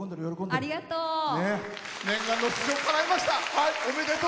ありがとう！